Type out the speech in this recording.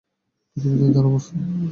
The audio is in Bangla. পৃথিবীতে তার অবস্থান।